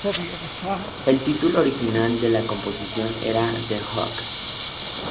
El título original de la composición era "The Hook".